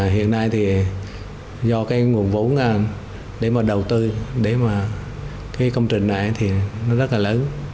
hiện nay thì do cái nguồn vốn để mà đầu tư để mà cái công trình này thì nó rất là lớn